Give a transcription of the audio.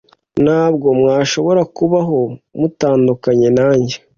Ntabwo mwashobora kubaho mutandukanye na njye.